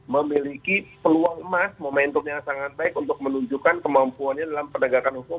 memiliki peluang emas momentum yang sangat baik untuk menunjukkan kemampuannya dalam penegakan hukum